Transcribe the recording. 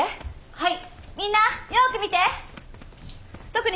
はい。